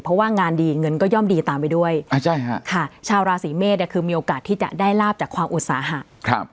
เพราะว่างานดีเงินก็ย่อมดีตามไปด้วยชาวราศีเมษคือมีโอกาสที่จะได้ลาบจากความอุตสาหะ